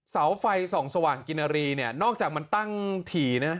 เสาไฟส่องสว่างกินนารีเนี่ยนอกจากมันตั้งถี่นะฮะ